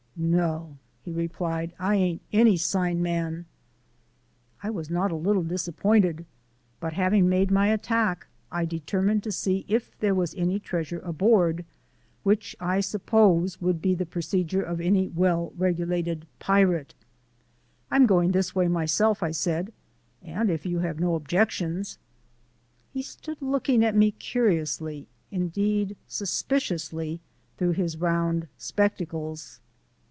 "No," he replied, "I ain't any sign man." I was not a little disappointed, but having made my attack, I determined to see if there was any treasure aboard which, I suppose, should be the procedure of any well regulated pirate. "I'm going this way myself," I said, "and if you have no objections " He stood looking at me curiously, indeed suspiciously, through his round spectacles.